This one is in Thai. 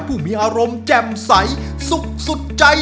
ผู้มีอารมณ์แจ่มใสสุขสุดใจ